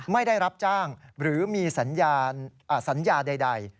ไม่ได้รับจ้างหรือมีสัญญาใด